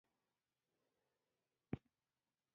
د غلو نومونه یې واخلئ.